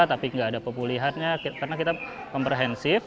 tapi nggak ada pemulihannya karena kita komprehensif